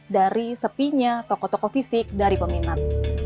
dari sepinya toko toko fisik dari peminat